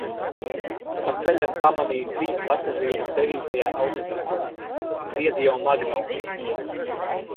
Pa ceļam pamanīju trīs pasažierus devītajā autobusā. Zied jau magnolijas.